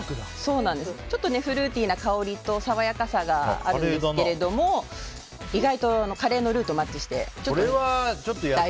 ちょっとフルーティーな香りと爽やかさがあるカレーなんですけど意外とカレーのルーとマッチして。